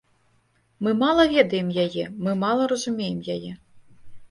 Мы мала ведаем яе, мы мала разумеем яе.